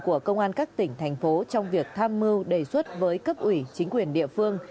của công an các tỉnh thành phố trong việc tham mưu đề xuất với cấp ủy chính quyền địa phương